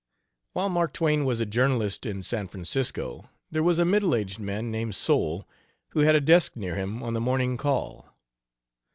While Mark Twain was a journalist in San Francisco, there was a middle aged man named Soule, who had a desk near him on the Morning Call.